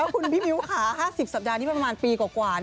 คุณพี่มิ้วค่ะ๕๐สัปดาห์นี้ประมาณปีกว่า